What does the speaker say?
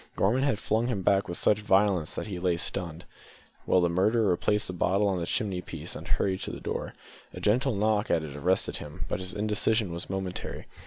Gorman had flung him back with such violence that he lay stunned, while the murderer replaced the bottle on the chimney piece and hurried to the door. A gentle knock at it arrested him, but his indecision was momentary.